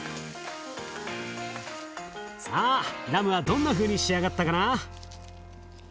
さあラムはどんなふうに仕上がったかな？